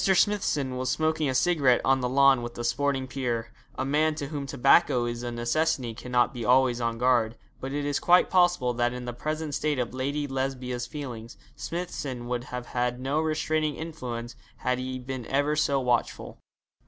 Smithson was smoking a cigarette on the lawn with a sporting peer. A man to whom tobacco is a necessity cannot be always on guard; but it is quite possible that in the present state of Lady Lesbia's feelings Smithson would have had no restraining influence had he been ever so watchful.